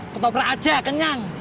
ketoprak aja kenyang